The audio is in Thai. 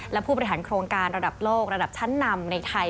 และผู้บริหารโครงการระดับโลกระดับชั้นนำในไทย